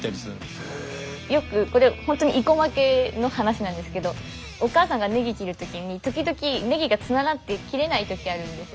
よくこれほんとに生駒家の話なんですけどお母さんがネギ切る時に時々ネギがつながって切れない時あるんですよ。